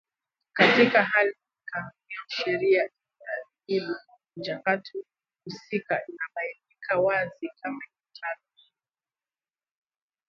Katika hali hii kanuni au sheria inayoudhibiti mchakato husika inabainika wazi kama ifuatavyo